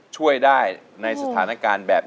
ใช้ครับ